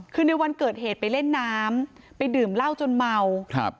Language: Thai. คือในวันเกิดเหตุไปเล่นน้ำไปดื่มเหล้าจนเมาครับ